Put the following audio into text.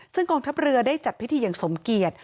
ซึ่งกองทัพเรือได้จัดพิธีอย่างสมเกียจ